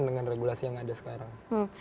dengan regulasi yang ada sekarang